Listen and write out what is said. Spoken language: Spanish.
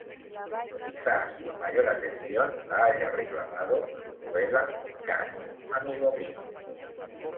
Quizás la mayor atención la haya reclamado su novela "Kant, amigo mío".